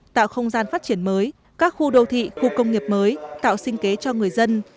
tạo không gian phát triển mới các khu đô thị khu công nghiệp mới tạo sinh kế cho người dân